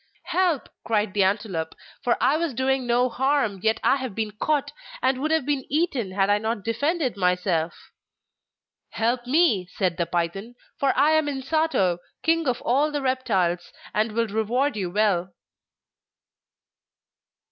'Help!' cried the antelope, 'for I was doing no harm, yet I have been caught, and would have been eaten, had I not defended myself.' 'Help me,' said the python, 'for I am Insato, King of all the Reptiles, and will reward you well!